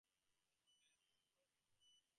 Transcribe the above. Almon played collegiately at Brown University.